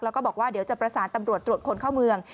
แล้วก็บอกว่าเดี๋ยวจะประสานตำรวจตรวจคนเข้าเมือง